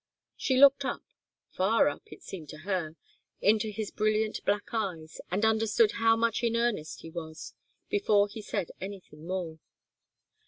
She looked up far up, it seemed to her into his brilliant black eyes, and understood how much in earnest he was, before he said anything more.